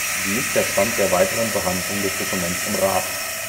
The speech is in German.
Wie ist der Stand der weiteren Behandlung des Dokuments im Rat?